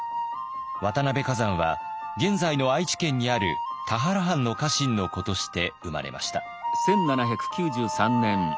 渡辺崋山は現在の愛知県にある田原藩の家臣の子として生まれました。